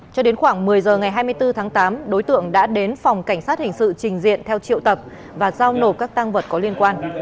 cho đến khoảng một mươi h ngày hai mươi bốn tháng tám đối tượng đã đến phòng cảnh sát hình sự trình diện theo triệu tập và giao nộp các tăng vật có liên quan